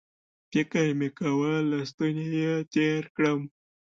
فکر مې کاوه له ستوني یې تېر کړم